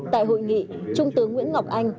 tại hội nghị trung tướng nguyễn ngọc anh